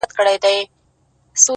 زړه لکه هينداره ښيښې گلي!!